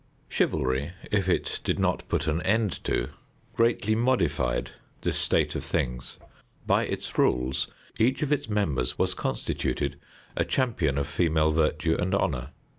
Chivalry, if it did not put an end to, greatly modified this state of things. By its rules each of its members was constituted a champion of female virtue and honor.